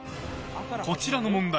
こちらの問題。